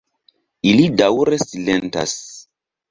Ili daŭre silentas.